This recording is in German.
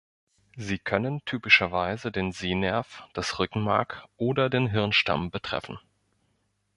Sie können typischerweise den Sehnerv, das Rückenmark oder den Hirnstamm betreffen.